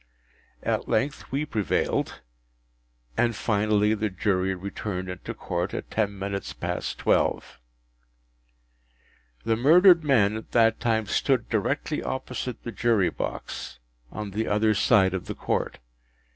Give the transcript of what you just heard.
At length we prevailed, and finally the Jury returned into Court at ten minutes past twelve. The murdered man at that time stood directly opposite the Jury box, on the other side of the Court.